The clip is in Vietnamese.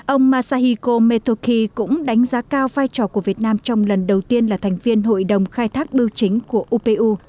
ông masahiko metoki cũng đánh giá cao vai trò của việt nam trong lần đầu tiên là thành viên hội đồng khai thác biểu chính của upu